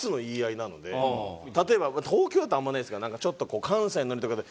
例えば東京だとあんまりないですけどなんかちょっとこう関西のノリとかで。